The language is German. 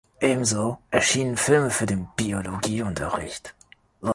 Ebenso erschienen Filme für den Biologieunterricht.